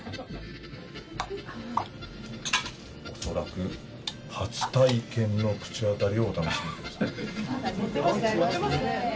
恐らく初体験の口当たりをお楽しみ下さい。